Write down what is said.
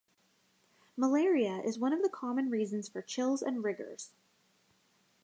Malaria is one of the common reasons for chills and rigors.